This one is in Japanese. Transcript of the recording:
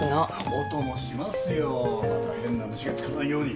お供しますよまた変な虫がつかないように。